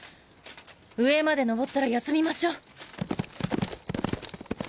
上まで上ったら休みましょう。